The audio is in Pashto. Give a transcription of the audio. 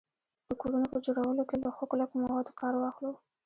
د کورونو په جوړولو کي له ښو کلکو موادو کار واخلو